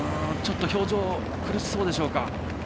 表情、苦しそうでしょうか。